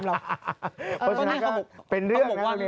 เพราะฉะนั้นเขาบอกว่า